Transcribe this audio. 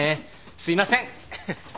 すいません！